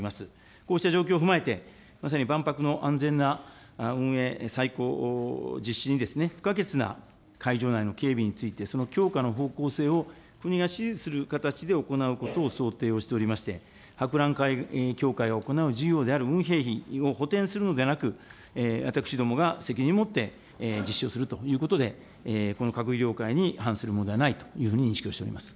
こうした状況を踏まえて、まさに万博の安全な運営、再考実施に不可欠な会場内の警備について、その強化の方向性を国が指示する形で行うことを想定をしておりまして、博覧会協会が行う事業である運営費を補填するのではなく、私どもが責任を持って実施をするということで、この閣議了解に反するではないというふうに認識をしております。